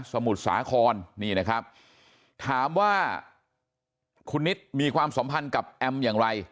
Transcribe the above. มุทรสาครนี่นะครับถามว่าคุณนิดมีความสัมพันธ์กับแอมอย่างไร